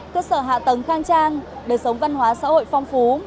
cơ sở hạ tầng khang trang đời sống văn hóa xã hội phong phú